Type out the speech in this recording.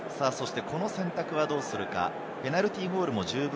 この選択はどうするか？